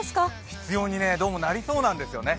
必要に、どうもなりそうなんですよね。